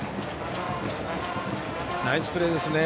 ナイスプレーですね。